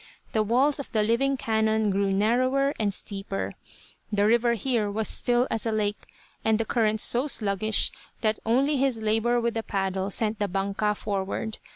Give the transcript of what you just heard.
The walls of the living canon grew narrower and steeper. The river here was as still as a lake, and the current so sluggish that only his labour with the paddle sent the "banca" forward.